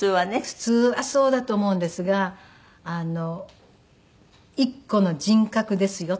普通はそうだと思うんですがあの「一個の人格ですよ」。